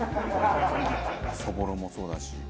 そぼろもそうだし。